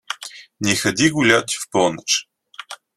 Не ходи гулять в полночь.